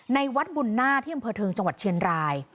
ในวัดบุญหน้าที่อำเภอเทิงจังหวัดเชียงราย